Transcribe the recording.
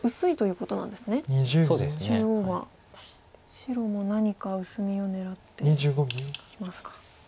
白も何か薄みを狙ってきますか。